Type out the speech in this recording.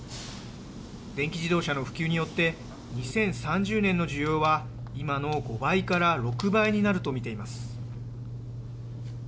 電気自動車の普及によって２０３０年の需要は今の５倍から６倍になると見ています。